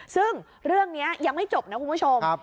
ซึ่งเรื่องนี้ยังไม่จบนะคุณผู้ชม